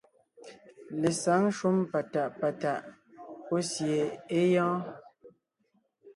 Lesǎŋ shúm patàʼ patàʼ pɔ́ sie é gyɔ́ɔn.